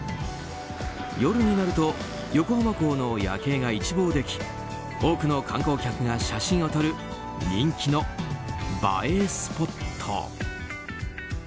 夜になると横浜港の夜景が一望でき多くの観光客が写真を撮る人気の映えスポット。